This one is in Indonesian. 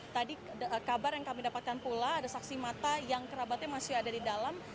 tadi kabar yang kami dapatkan pula ada saksi mata yang kerabatnya masih ada di dalam